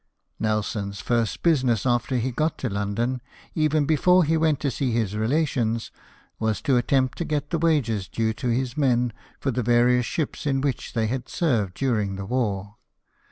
Nelson's first business after he got to London, even before he went to see his relations, was to attempt to get the wages due to his men for the various ships in which they had served during the war.